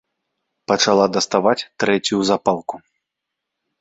Пачала даставаць трэцюю запалку.